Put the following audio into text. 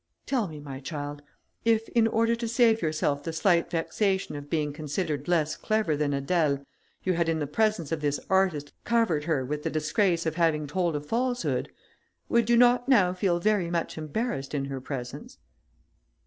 Tell me, my child, if in order to save yourself the slight vexation of being considered less clever than Adèle, you had in the presence of this artist covered her with the disgrace of having told a falsehood, would you not now feel very much embarrassed in her presence?"